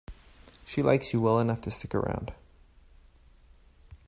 She likes you well enough to stick around.